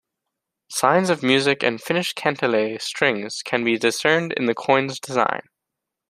Signs of music and Finnish kantele strings can be discerned in the coin's design.